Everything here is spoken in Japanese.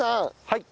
はい。